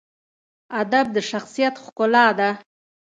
ادب د شخصیت ښکلا ده.